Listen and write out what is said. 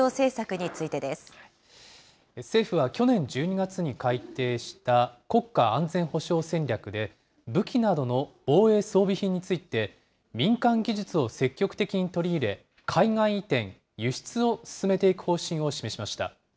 につ政府は去年１２月に改定した、国家安全保障戦略で、武器などの防衛装備品について、民間技術を積極的に取り入れ、海外移転・輸出を進めていく方針を示しました。